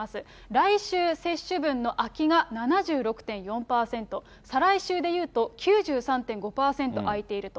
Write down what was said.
来週接種分の空きが７６．４％、再来週でいうと、９３．５％空いていると。